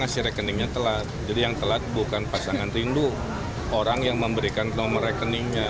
salat bukan pasangan ridu orang yang memberikan nomor rekeningnya